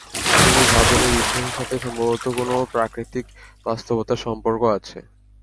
তিনি ভাবেন, এই বিশ্বাসের সাথে সম্ভবত কোন প্রাকৃতিক বাস্তবতার সম্পর্ক আছে।